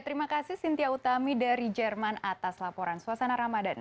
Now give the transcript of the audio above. terima kasih cynthia utami dari jerman atas laporan suasana ramadan